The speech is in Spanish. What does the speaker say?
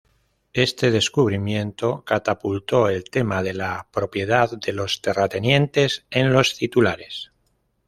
Este descubrimiento catapultó el tema de la propiedad de los terratenientes en los titulares.